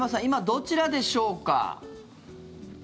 今、どちらでしょうか？